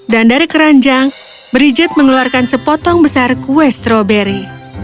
dan dari keranjang bridget mengeluarkan sepotong besar kue stroberi